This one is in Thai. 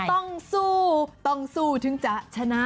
ต้องสู้ต้องสู้ถึงจะชนะ